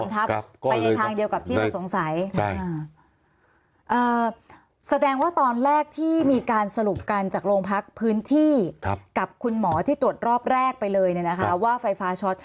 ไปในทางเดียวกับที่สงสัยอ่าแสดงว่าตอนแรกที่มีการสรุปกันจากโรงพักพื้นที่กับคุณหมอที่ตรวจรอบแรกไปเลยนะคะว่าไฟฟ้าช็อต